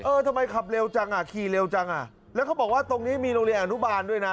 ทำไมขับเร็วจังอ่ะขี่เร็วจังอ่ะแล้วเขาบอกว่าตรงนี้มีโรงเรียนอนุบาลด้วยนะ